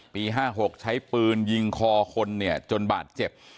ปี๕๖ใช้ปืนยิงคอคนจนบาดเจ็บ